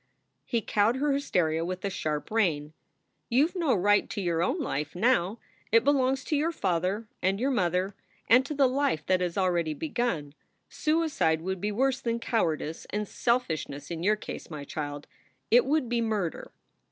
He cowed her hysteria with a sharp rein : "You ve no right to your own life now. It belongs to your father and your mother and to the life that has already begun. Suicide would be worse than cowardice and selfish ness in your case, my child. It would be murder."